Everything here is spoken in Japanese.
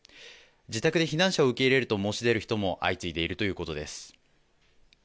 自宅で避難者を受け入れると申し出る人も相次いでいるということです。